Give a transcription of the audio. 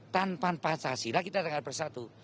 tanpa pancasila kita tinggal bersatu